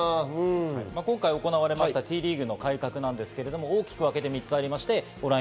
今回行われたＴリーグの改革ですけど、大きく分けて３つあります。